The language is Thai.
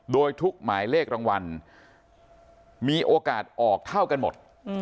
โดยทุกหมายเลขรางวัลมีโอกาสออกเท่ากันหมด